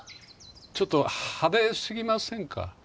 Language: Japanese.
ちょっと派手すぎませんか？